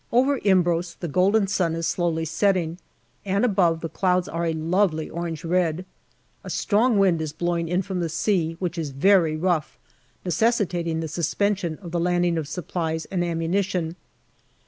Over Imbros the golden sun is slowly setting, and above, the clouds are a lovely orange red. A strong wind is blowing in from the sea, which is very rough, necessitating the suspension of the landing of supplies and ammunition.